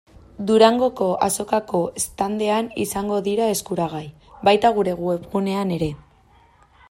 Durangoko Azokako standean izango dira eskuragai, baita gure webgunean ere.